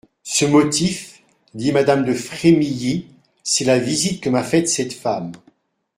Ce motif, dit madame de Frémilly, c'est la visite que m'a faite cette femme.